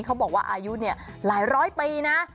เขาบอกว่าอายุหลายร้อยปีนะ